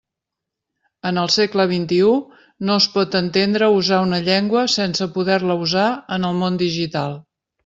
En el s. XXI no es pot entendre usar una llengua sense poder-la usar en el món digital.